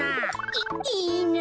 いいいな。